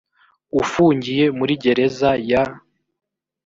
ufungiye muri gereza ya